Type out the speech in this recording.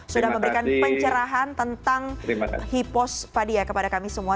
sudah memberikan pencerahan tentang hipospadia kepada kami semua